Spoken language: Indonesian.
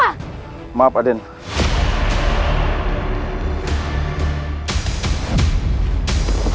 siar ternyata ada yang memasang tameng perlimingan